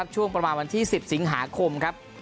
ช่วงประมาณวันที่๑๐สิงหาคมครับ